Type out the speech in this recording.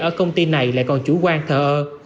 ở công ty này lại còn chủ quan thờ ơ